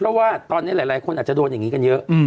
เพราะว่าตอนนี้หลายคนอาจจะโดนอย่างนี้กันเยอะ